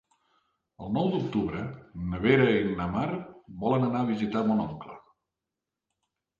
El nou d'octubre na Vera i na Mar volen anar a visitar mon oncle.